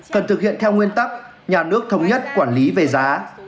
cần thực hiện theo nguyên tắc nhà nước thống nhất quản lý về giá